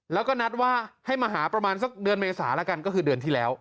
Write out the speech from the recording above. แล้วก็นัดว่าให้มาหาประมาณสักเดือนเมษาแล้วกันก็คือเดือนที่แล้ว